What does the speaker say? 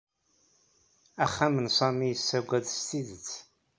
Axxam n Sami yessaggad s tidet.